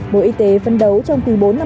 bộ y tế phân đấu trong tuy bốn năm hai nghìn